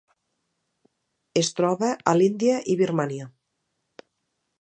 Es troba a l'Índia i Birmània.